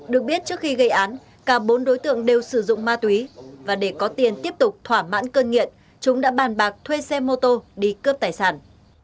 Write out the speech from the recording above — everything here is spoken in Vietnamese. được biết trước khi gây án cả bốn đối tượng đều sử dụng ma túy và để có tiền tiếp tục thỏa mãn cơn nghiện chúng đã bàn bạc thuê xe mô tô đi cướp tài sản